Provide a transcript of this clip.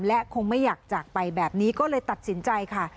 และคงไม่อยากจากไปแบบนี้ก็เลยตัดสินใจค่ะ